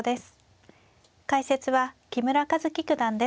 解説は木村一基九段です。